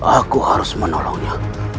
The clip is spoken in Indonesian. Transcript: aku harus menolongnya